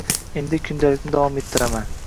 Endi kundalikni davom ettiraman